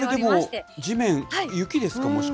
これ、地面、雪ですか？